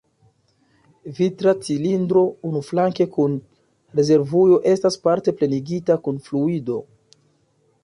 Vitra cilindro unuflanke kun rezervujo estas parte plenigita kun fluido.